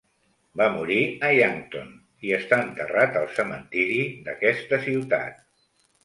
Va morir a Yankton i està enterrat al cementiri d'aquesta ciutat.